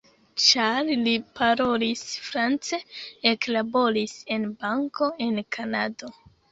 Ĉar li parolis france, eklaboris en banko, en Kanado.